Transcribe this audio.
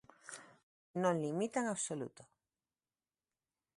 Non limita en absoluto.